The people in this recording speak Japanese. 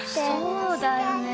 そうだよね。